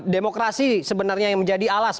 demokrasi sebenarnya yang menjadi alas